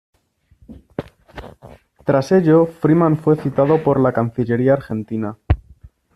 Tras ello Freeman fue citado por la Cancillería Argentina.